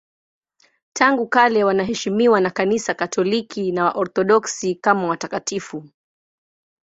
Tangu kale wanaheshimiwa na Kanisa Katoliki na Waorthodoksi kama watakatifu.